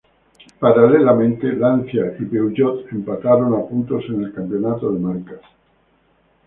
Paralelamente, Lancia y Peugeot empataron a puntos en el campeonato de marcas.